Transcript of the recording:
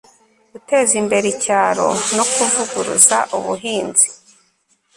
guteza imbere icyaro no kuvugurura ubuhinzi